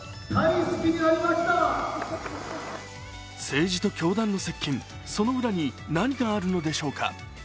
政治と教団の接近、その裏に何があるのでしょうか。